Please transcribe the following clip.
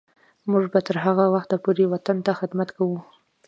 موږ به تر هغه وخته پورې وطن ته خدمت کوو.